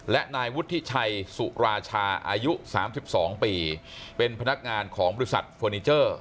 และนายวุฒิชัยสุราชาอายุ๓๒ปีเป็นพนักงานของบริษัทเฟอร์นิเจอร์